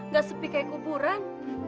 gak sepi kayak kuburan